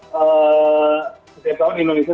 setiap tahun indonesia